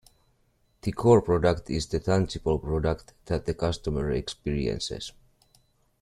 The core product is the tangible product that the customer experiences.